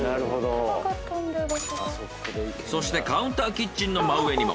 そしてカウンターキッチンの真上にも。